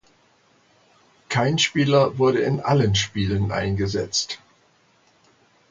Kein Spieler wurde in allen Spielen eingesetzt.